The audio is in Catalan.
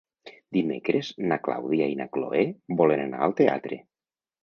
Dimecres na Clàudia i na Cloè volen anar al teatre.